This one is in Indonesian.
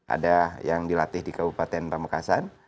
ada yang dilatih di kabupaten pamekasan